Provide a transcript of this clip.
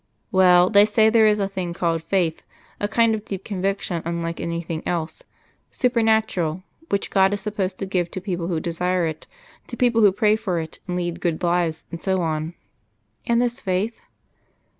"Well, they say there is a thing called Faith a kind of deep conviction unlike anything else supernatural which God is supposed to give to people who desire it to people who pray for it, and lead good lives, and so on " "And this Faith?"